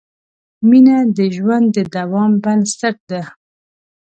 مینه د ژوند د دوام بنسټ ده.